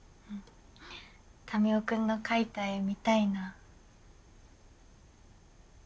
民生君の描いた絵見たいな。